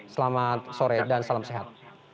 selamat sore dan salam sehat